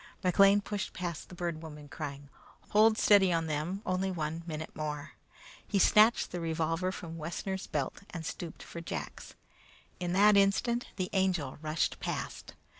McLean pushed past the Bird Woman crying. "Hold steady on them only one minute more!" He snatched the revolver from Wessner's belt, and stooped for Jack's. At that instant the Angel rushed past.